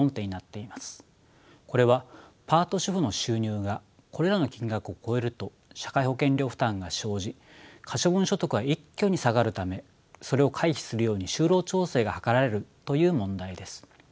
これはパート主婦の収入がこれらの金額を超えると社会保険料負担が生じ可処分所得が一挙に下がるためそれを回避するように就労調整が図られるという問題です。